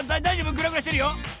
グラグラしてるよ。